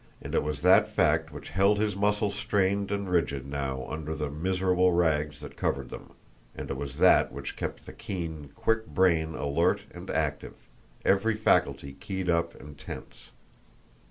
And it was that fact which held his muscles strained and rigid now under the miserable rags that covered them, and it was that which kept the keen, quick brain alert and active, every faculty keyed up and tense.